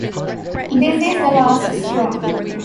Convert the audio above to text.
This is the last straw.